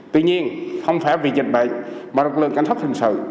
tuy nhiên không phải vì dịch bệnh mà lực lượng cảnh sát hình sự